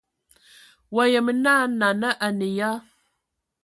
Wa yəm na nana a nə ya?